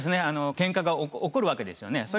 あのケンカが起こるわけですよね。